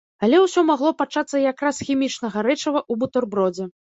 Але ўсё магло пачацца якраз з хімічнага рэчыва ў бутэрбродзе.